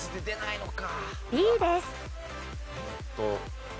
Ｂです。